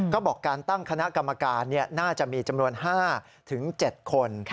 ก็บอกการตั้งคณะกรรมการน่าจะมีจำนวน๕๗คน